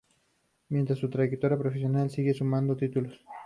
Mientras su trayectoria profesional sigue sumando títulos.